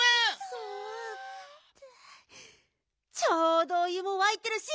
ちょうどお湯もわいてるし